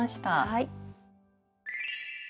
はい。